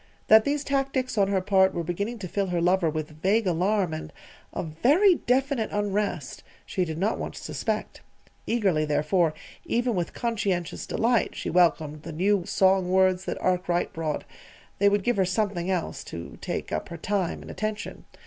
That these tactics on her part were beginning to fill her lover with vague alarm and a very definite unrest, she did not once suspect. Eagerly, therefore, even with conscientious delight she welcomed the new song words that Arkwright brought they would give her something else to take up her time and attention.